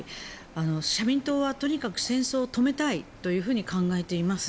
社民党はとにかく戦争を止めたいというふうに考えています。